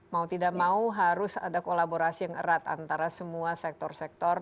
mau tidak mau harus ada kolaborasi yang erat antara semua sektor sektor